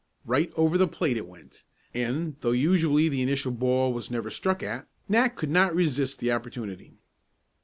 Right over the plate it went, and though usually the initial ball was never struck at, Nat could not resist the opportunity.